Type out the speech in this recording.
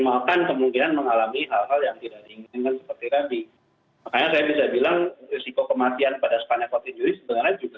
makanya saya bisa bilang risiko kematian pada sepanjang kontinu